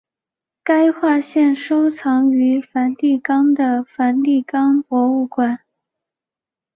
该画现收藏于梵蒂冈的梵蒂冈博物馆。